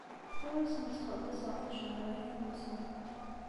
Ur asen-ttxelliṣeɣ ticehṛiyin-nsen.